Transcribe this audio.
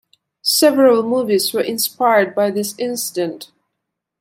Several movies were inspired by this incident.